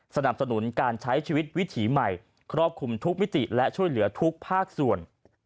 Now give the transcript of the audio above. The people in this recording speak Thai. สนับสนุนการใช้ชีวิตวิถีใหม่ครอบคลุมทุกมิติและช่วยเหลือทุกภาคส่วน